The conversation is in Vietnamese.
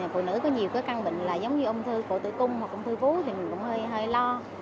phụ nữ có nhiều cái căng bệnh là giống như âm thư cổ tử cung hoặc âm thư vũ thì mình cũng hơi lo